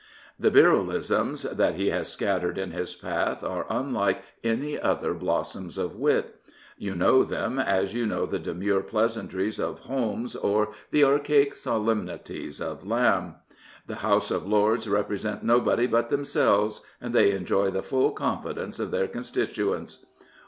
The Birrellisms that he has scat tered in his path are unlike any other|blossoms of wit. You know them as you know the demure pleasantries of Holmes or the archaic solemnities"*©! Lamb. " The House of Lords represent nobody but themselves, and they enjoy the full confidence of their constituents.''